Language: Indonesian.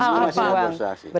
bersama partai idaman ya